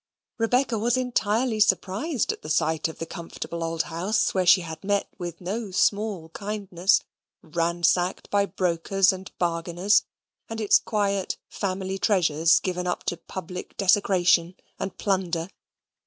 Rebecca was entirely surprised at the sight of the comfortable old house where she had met with no small kindness, ransacked by brokers and bargainers, and its quiet family treasures given up to public desecration and plunder.